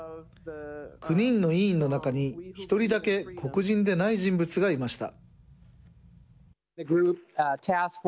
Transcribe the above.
９人の委員の中に一人だけ黒人でない人物がいました。